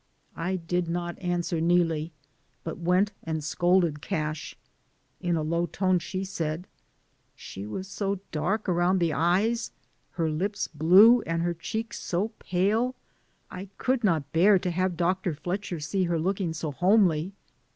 I did not answer Neelie, but went and scolded Cash; in a low tone she said, "She was so dark around the eyes, her lips blue, and her cheeks so pale I could not bear to have Dr. Fletcher see her looking so homely.